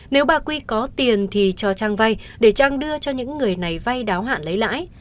nếu bà quy có tiền thì cho trang vay để trang đưa cho những người này vay đáo hạn lấy lãi